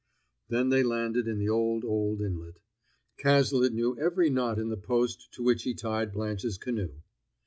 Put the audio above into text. Then they landed in the old, old inlet. Cazalet knew every knot in the post to which he tied Blanche's canoe.